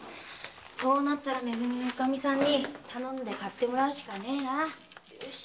こうなったら「め組」のおカミさんに頼んで買ってもらうしかねえな。